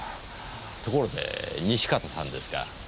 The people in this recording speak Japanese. ところで西片さんですが。